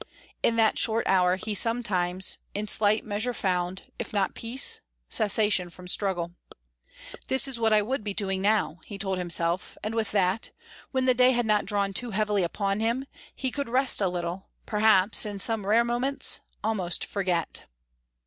In that short hour he sometimes, in slight measure found, if not peace, cessation from struggle. "This is what I would be doing now," he told himself, and with that, when the day had not drawn too heavily upon him, he could rest a little, perhaps, in some rare moments, almost forget.